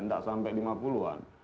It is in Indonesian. tidak sampai lima puluh an